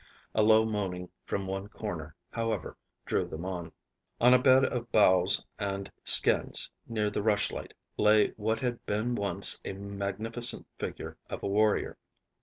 A low moaning from one corner, however, drew them on. On a bed of boughs and skins near the rushlight lay what had been once a magnificent figure of a warrior.